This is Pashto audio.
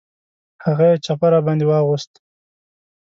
هغه یې چپه را باندې واغوست.